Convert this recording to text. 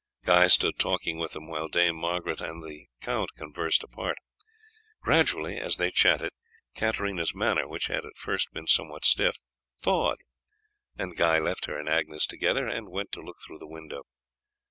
Guy stood talking with them while Dame Margaret and the count conversed apart. Gradually as they chatted Katarina's manner, which had at first been somewhat stiff, thawed, and Guy left her and Agnes together and went to look through the window.